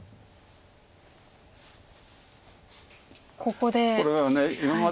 ここで。